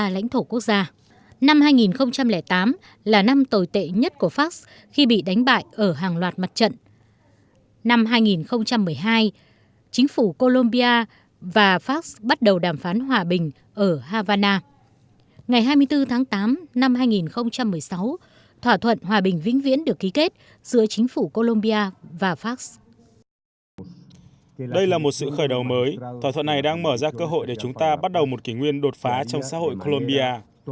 đây là một sự khởi đầu mới thỏa thuận này đang mở ra cơ hội để chúng ta bắt đầu một kỷ nguyên đột phá trong xã hội colombia